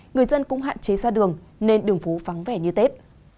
người dân cũng hạn chế ra đường nên đường phố vắng vẻ như tết